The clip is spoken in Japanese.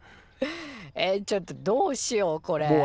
えっちょっとどうしようこれ。